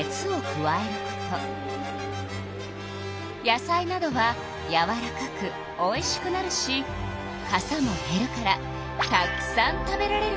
野菜などはやわらかくおいしくなるしかさもへるからたくさん食べられるのよ。